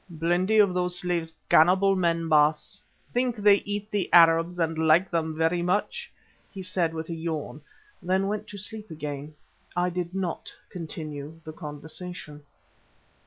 "Plenty of those slaves cannibal men, Baas. Think they eat the Arabs and like them very much," he said with a yawn, then went to sleep again. I did not continue the conversation.